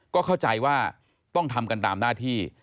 ก็เข้าใจว่าต้องทำกันตามหน้าที่